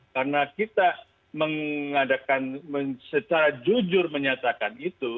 karena kita mengadakan secara jujur menyatakan itu